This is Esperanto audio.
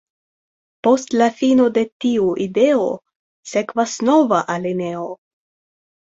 Post la fino de tiu ideo, sekvas nova alineo.